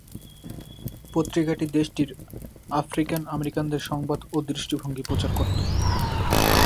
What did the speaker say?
পত্রিকাটি দেশটির "আফ্রিকান আমেরিকানদের সংবাদ ও দৃষ্টিভঙ্গি" প্রচার করতো।